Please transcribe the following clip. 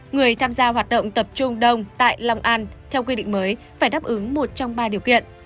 người tham gia hoạt động tập trung đông tại long an theo quy định mới phải đáp ứng một trong ba điều kiện